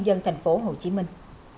dân thành phố hồ chí minh